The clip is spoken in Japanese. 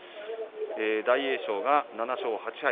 大栄翔が７勝８敗